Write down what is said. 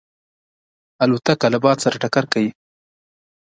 الوتکه له باد سره ټکر کوي.